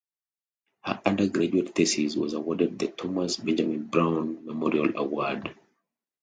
Her undergraduate thesis was awarded the Thomas Benjamin Brown Memorial Award.